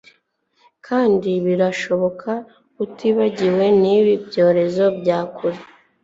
Kandi birashoboka utibagiwe nibi byorezo bya kure